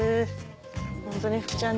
ホントに福ちゃん